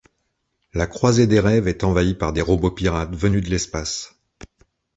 La Croisée des Rêves est envahie par des Robots-Pirates venus de l'espace.